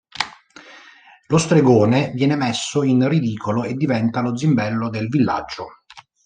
Lo stregone viene messo in ridicolo e diventa lo zimbello del villaggio.